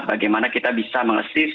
bagaimana kita bisa mengesis